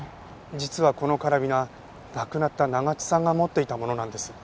実はこのカラビナ亡くなった長津さんが持っていたものなんです。